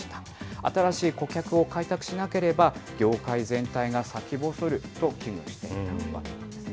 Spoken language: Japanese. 新しい顧客を開拓しなければ、業界全体が先細ると危惧していたわけですね。